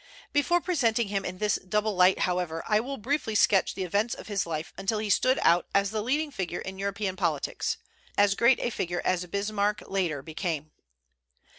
Before presenting him in this double light, however, I will briefly sketch the events of his life until he stood out as the leading figure in European politics, as great a figure as Bismarck later became.